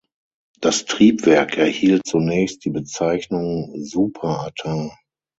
Das Triebwerk erhielt zunächst die Bezeichnung "Super Atar".